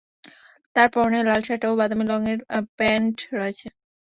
তাঁর পরনে লাল শার্ট ও বাদামি রঙের প্যান্ট রয়েছে।